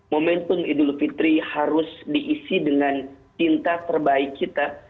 momentum idul fitri harus diisi dengan cinta terbaik kita